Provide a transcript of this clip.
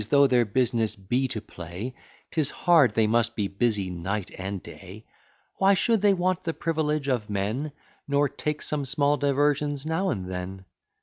though their business be to play, 'Tis hard they must be busy night and day: Why should they want the privilege of men, Nor take some small diversions now and then?